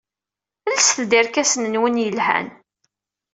Lset-d irkasen-nwen yelhan.